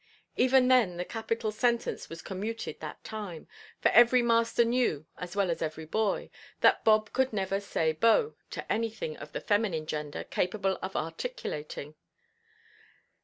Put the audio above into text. Even then the capital sentence was commuted that time, for every master knew, as well as every boy, that Bob could never "say bo" to anything of the feminine gender capable of articulating.